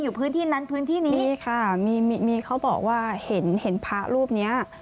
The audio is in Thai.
อยู่พื้นที่นั้นพื้นที่นี้ใช่ค่ะมีมีเขาบอกว่าเห็นเห็นพระรูปเนี้ย